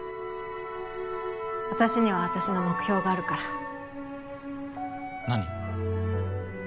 私には私の目標があるから何？